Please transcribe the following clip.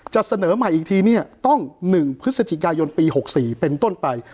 เสนอใหม่อีกทีเนี่ยต้อง๑พฤศจิกายนปี๖๔เป็นต้นไป